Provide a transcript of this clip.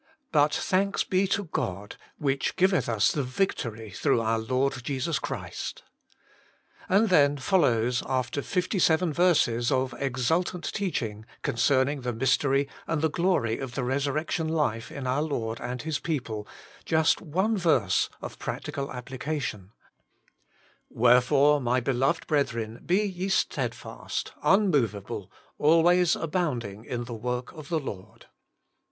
But thanks be to God, which giveth us the victory through our Lord Jesus Christ.' And then follows, after fifty seven verses of exultant teaching con cerning the mystery and the glory of the resurrection life in our Lord and His peo ple, just one verse of practical application :' Wherefore, my beloved brethren, be ye stedfast, unmoveable, always abounding in the work of the Lord.'